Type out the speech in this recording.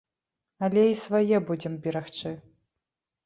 Але і свае будзем берагчы.